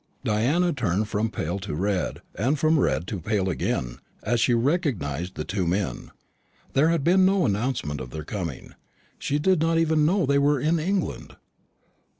Diana turned from pale to red, and from red to pale again, as she recognised the two men. There had been no announcement of their coming. She did not even know that they were in England.